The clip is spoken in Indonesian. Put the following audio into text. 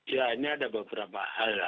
ya ini ada beberapa hal